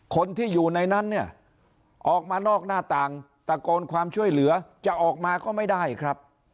คนที่อยู่ในนั้นเนี่ยออกมานอกหน้าต่างตะโกนความช่วยเหลือจะออกมาก็ไม่ได้ครับ